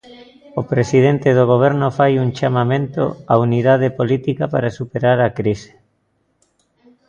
O presidente do Goberno fai un chamamento á unidade política para superar a crise.